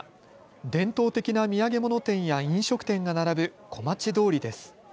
伝統的な土産物店や飲食店が並ぶ小町通りです。